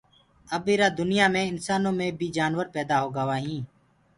اب ايٚ را دُنيآ مي انسآنو مي بي جنآور پيدآ هوگآ هين